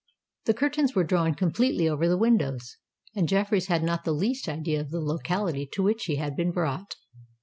The curtains were drawn completely over the windows; and Jeffreys had not the least idea of the locality to which he had been brought.